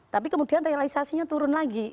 tapi kemudian realisasinya turun lagi